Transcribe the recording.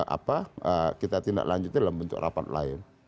apa kita tindak lanjutnya dalam bentuk rapat lain